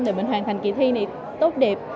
để mình hoàn thành kỳ thi này tốt đẹp